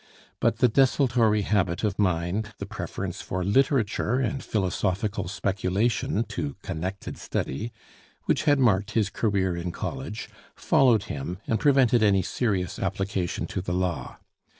But the desultory habit of mind, the preference for literature and philosophical speculation to connected study, which had marked his career in college, followed him and prevented any serious application to the law.